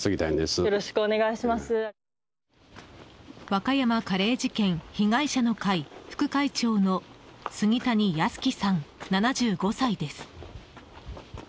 和歌山カレー事件被害者の会副会長の杉谷安生さん、７５歳です。